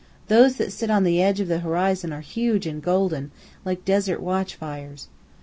Those that sit on the edge of the horizon are huge and golden, like desert watch fires.